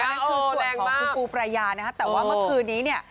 อันนั้นคือส่วนของคุณปูประยานะครับแต่ว่าเมื่อคืนนี้